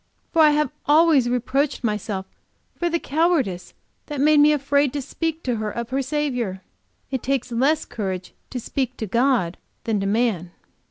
For I have always reproached myself for the cowardice that made me afraid to speak to her of her Saviour. It takes less courage to speak to God than to man."